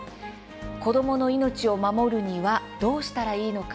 子どもの命を守るにはどうしたらいいのか。